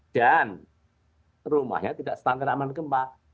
dan rumahnya tidak standar aman gempa